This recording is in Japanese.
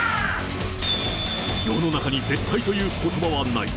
世の中に絶対ということばはない。